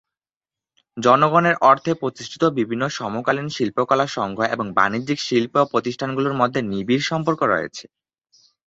জনগণের অর্থে প্রতিষ্ঠিত বিভিন্ন সমকালীন শিল্পকলা সংঘ এবং বাণিজ্যিক শিল্প-প্রতিষ্ঠানগুলোর মধ্যে নিবিড় সম্পর্ক রয়েছে।